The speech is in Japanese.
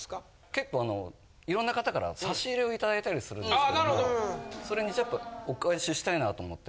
結構いろんな方から差し入れを頂いたりするんですけどそれにちょっとお返ししたいなと思って。